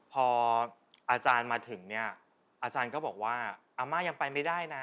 พออาจารย์มาถึงเนี่ยอาจารย์ก็บอกว่าอาม่ายังไปไม่ได้นะ